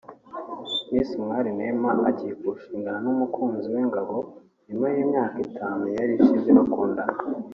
Miss Umwali Neema agiye kurushingana n’umukunzi we Ngabo nyuma y’imyaka itanu yari ishize bakundana